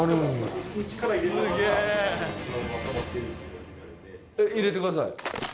すげえ！入れてください。